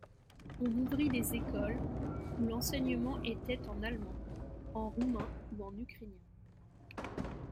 On ouvrit des écoles, où l'enseignement était en allemand, en roumain ou en ukrainien.